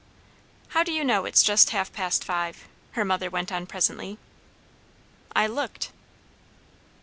"How do you know it's just half past five?" her mother went on presently. "I looked."